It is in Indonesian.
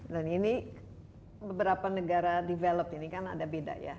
dan ini beberapa negara develop ini kan ada beda ya